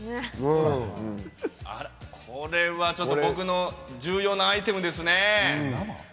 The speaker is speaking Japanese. これは僕の重要なアイテムですね。